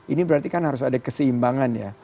ini berarti kan harus ada keseimbangan ya